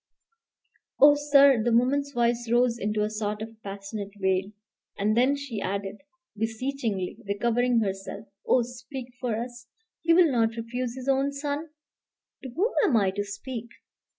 Oh, sir!" the woman's voice rose into a sort of passionate wail. And then she added, beseechingly, recovering herself, "Oh, speak for us; he'll not refuse his own son " "To whom am I to speak?